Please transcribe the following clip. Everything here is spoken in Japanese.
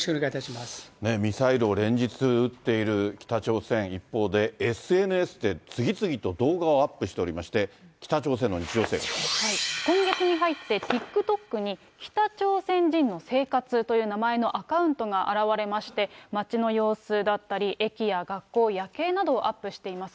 ミサイルを連日撃っている北朝鮮、一方でＳＮＳで次々と動画をアップしておりまして、北朝鮮今月に入ってＴｉｋＴｏｋに、北朝鮮人の生活という名前のアカウントがあらわれまして、街の様子だったり、駅や学校、夜景などをアップしています。